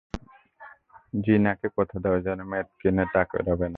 জিনাকে কথা দাও যে, মদ কিনে টাকা ওড়াবে না।